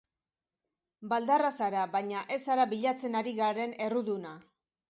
Baldarra zara baina ez zara bilatzen ari garen erruduna.